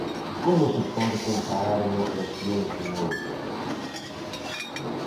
¿Como se pode comparar unha cuestión con outra?